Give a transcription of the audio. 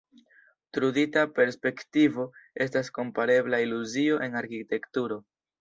Trudita perspektivo estas komparebla iluzio en arkitekturo.